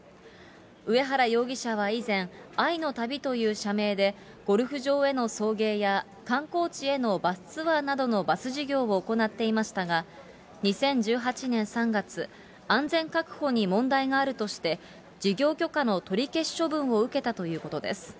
上原容疑者は以前、愛の旅という社名で、ゴルフ場への送迎や観光地へのバスツアーなどのバス事業を行っていましたが、２０１８年３月、安全確保に問題があるとして、事業許可の取り消し処分を受けたということです。